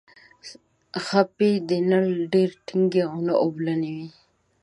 خپې دې نه ډیرې ټینګې او نه اوبلنې وي.